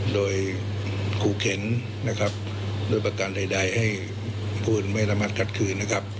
โดยขูเข็นโดยประกันใดให้ผู้อื่นไประมัดคัดขืน